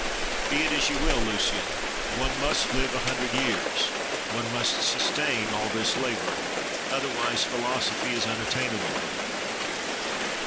—Be it as you will, Lucian! One must live a hundred years: one must sustain all this labour; otherwise philosophy is unattainable.